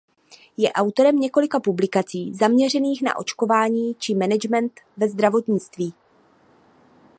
Je autorem několika publikací zaměřených na očkování či management ve zdravotnictví.